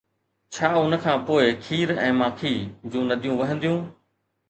ڇا ان کانپوءِ کير ۽ ماکي جون نديون وهنديون؟